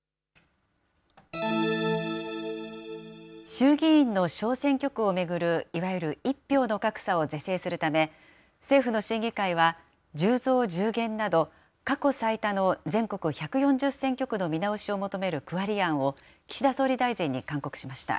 衆議院の小選挙区を巡るいわゆる１票の格差を是正するため、政府の審議会は、１０増１０減など、過去最多の全国１４０選挙区の見直しを求める区割り案を岸田総理大臣に勧告しました。